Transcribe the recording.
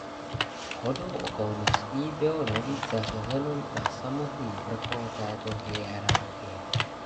Shodou okolností bylo navíc zařazeno na samotný vrchol této hierarchie.